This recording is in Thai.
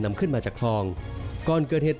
นำขึ้นมาจากคลองก่อนเกิดเหตุ